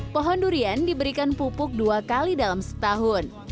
pohon durian diberikan pupuk dua kali dalam setahun